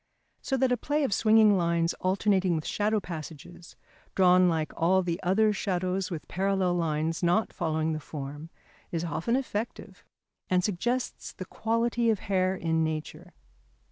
So that a play of swinging lines alternating with shadow passages, drawn like all the other shadows with parallel lines not following the form, is often effective, and suggests the quality of hair in nature.